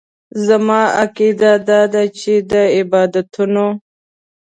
زما عقیده داده چې د عبادتونو.